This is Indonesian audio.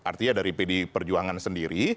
artinya dari pdi perjuangan sendiri